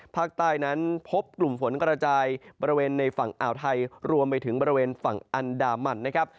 ภาคใต้นั้นพบกลุ่มฝนกระจายบริเวณในฝั่งอ่าวไทยรวมไปถึงบริเวณฝั่งอันดามันนะครับ